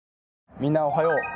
みんなおはよう。